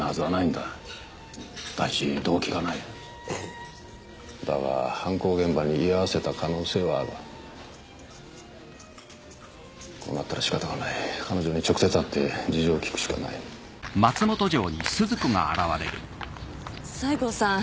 第一動機がないええだが犯行現場に居合わせた可能性はあるこうなったらしかたがない彼女に直接会って事情を聞くしかない西郷さん